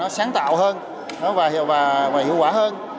sáng tạo hơn và hiệu quả hơn